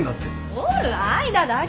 おる間だけ！